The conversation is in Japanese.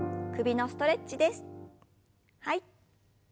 はい。